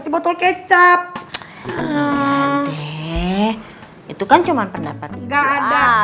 si botol kecap itu kan cuma pendapat nggak ada